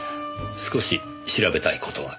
少し調べたい事が。